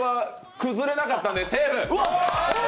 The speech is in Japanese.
崩れなかったんでセーフ。